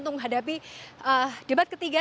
untuk menghadapi debat ketiga